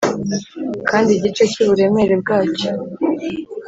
kandi igice cy'uburemere bwacyo